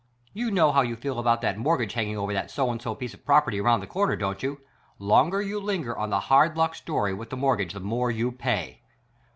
You know how you feel about that mortgage hanging over_ that so and so piece of property around the corner, don't you? Longer you linger on the hard luck story with the mortgagee the more you pay!